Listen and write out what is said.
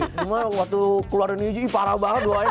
cuma waktu keluarin nidji parah banget doanya